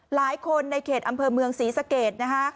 หลายคนในเขตอำเภอเมืองศรีสะเกดนะคะ